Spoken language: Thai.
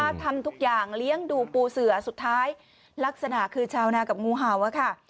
ทำทุกอย่างเลี้ยงดูปูเสือสุดท้ายลักษณะคือชาวนากับงูเห่าอะค่ะ